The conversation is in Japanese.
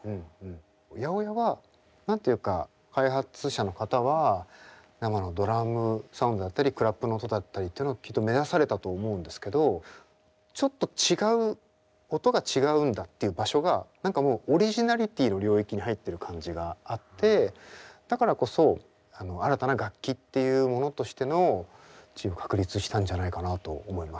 ８０８は何ていうか開発者の方は生のドラムサウンドだったりクラップの音だったりってのをきっと目指されたと思うんですけどちょっと違う音が違うんだっていう場所が何かもうオリジナリティーの領域に入ってる感じがあってだからこそ新たな楽器っていうものとしての地位を確立したんじゃないかなと思います。